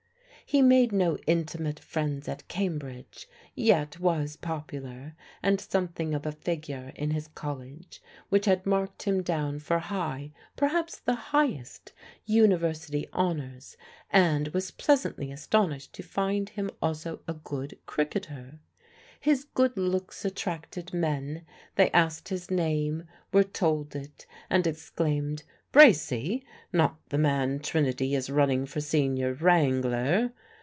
He made no intimate friends at Cambridge; yet was popular and something of a figure in his College, which had marked him down for high perhaps the highest university honours, and was pleasantly astonished to find him also a good cricketer. His good looks attracted men; they asked his name, were told it, and exclaimed, "Bracy? Not the man Trinity is running for Senior Wrangler?"